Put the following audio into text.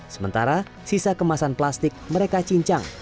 sementara sisa kemasan plastik mereka cincang